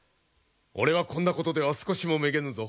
俺はこんなことでは少しもめげぬぞ。